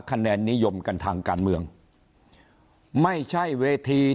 คะแนนนิยมกันทางการเมืองไม่ใช่เวที